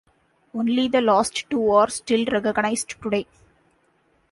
Only the last two are still recognized today.